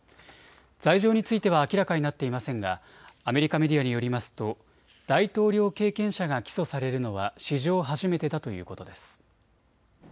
罪状については明らかになっていませんがアメリカメディアによりますと大統領経験者が起訴されるのは史上初めてだということです。